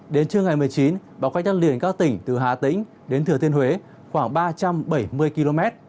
đến trưa ngày một mươi chín bão cách đất liền các tỉnh từ hà tĩnh đến thừa thiên huế khoảng ba trăm bảy mươi km